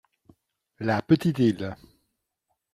La petite île.